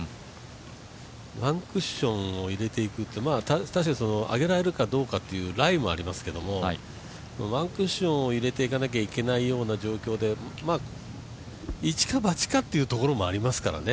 ワンクッションを入れていく、確かに上げられるかどうかというライもありますけど、ワンクッションを入れていかないといけないような状況で一か八かというところもありますからね。